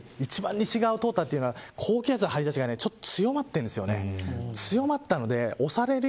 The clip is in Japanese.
今回の場合一番西側を通ったというのは高気圧の張り出しが強まっているんです。